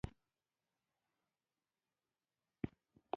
افغانستان کې دریابونه د خلکو د خوښې وړ ځای دی.